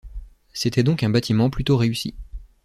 C’était donc un bâtiment plutôt réussi.